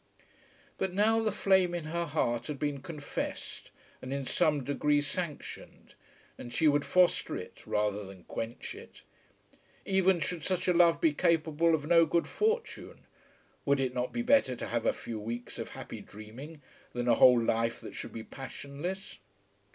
But now the flame in her heart had been confessed and in some degree sanctioned, and she would foster it rather than quench it. Even should such a love be capable of no good fortune, would it not be better to have a few weeks of happy dreaming than a whole life that should be passionless?